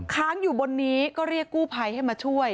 ค้างอยู่บนนี้ก็เรียกกู้ภัยให้มาช่วย